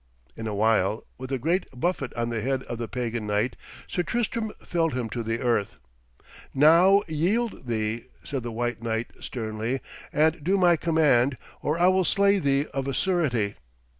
In a while, with a great buffet on the head of the pagan knight, Sir Tristram felled him to the earth. 'Now yield thee,' said the white knight sternly, 'and do my command, or I will slay thee of a surety.'